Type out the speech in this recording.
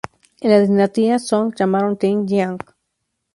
En la Dinastía Song la llamaron Ting Jiang.